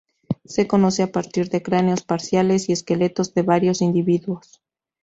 Se conoce a partir de cráneos parciales y esqueletos de varios individuos.